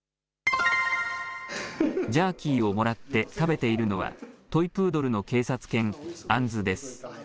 ジャーキーをもらって食べているのは、トイプードルの警察犬、アンズです。